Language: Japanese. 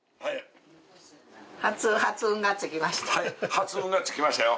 初うんがつきましたよ。